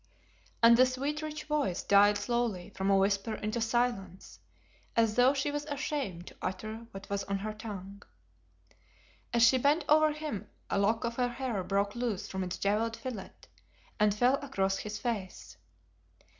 and the sweet, rich voice died slowly from a whisper into silence, as though she were ashamed to utter what was on her tongue. As she bent over him a lock of her hair broke loose from its jewelled fillet and fell across his face.